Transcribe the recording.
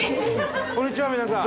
こんにちは皆さん。